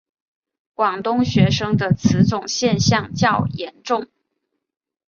广东学生的此种现象较严重。